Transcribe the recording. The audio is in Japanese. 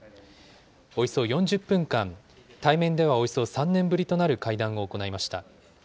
およそ４０分間、対面ではおよそ３年ぶりとなる会談を行いました。